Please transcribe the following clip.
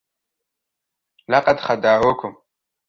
لقد خدعوكم.